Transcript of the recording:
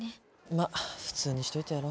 まっ普通にしといてやろ。